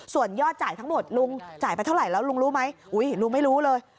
ส่วนยอดจ่ายทั้งหมดลุงจ่ายไปเท่าไหร่แล้วลุงรู้ไหมลุงไม่รู้เลย